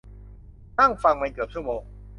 นั่งฟังมันเกือบชั่วโมง